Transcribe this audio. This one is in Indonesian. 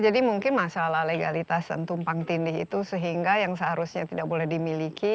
jadi mungkin masalah legalitas dan tumpang tindih itu sehingga yang seharusnya tidak boleh dimiliki